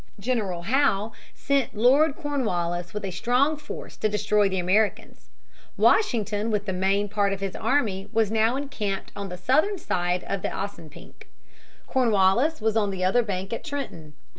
General Howe sent Lord Cornwallis with a strong force to destroy the Americans. Washington with the main part of his army was now encamped on the southern side of the Assanpink. Cornwallis was on the other bank at Trenton.